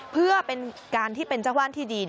เพื่อเป็นการที่เป็นเจ้าว่านที่ดี